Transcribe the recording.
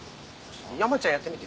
山ちゃんやってみて。